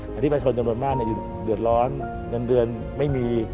พื้นที่ประชาชนจำนวนมากแหล่งเดือดร้อนเงินเดือดไม่มี